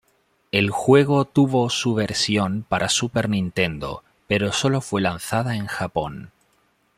El juego tuvo su versión para Super Nintendo pero solo fue lanzada en Japón.